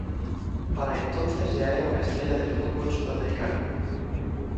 Para entonces ya era una estrella del fútbol sudamericano.